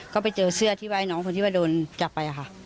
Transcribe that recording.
ก็ไปเจอเสื้อที่ไหว้น้องคนที่ว่าโดนจับไปค่ะ